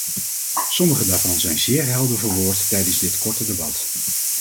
Sommige daarvan zijn zeer helder verwoord tijdens dit korte debat.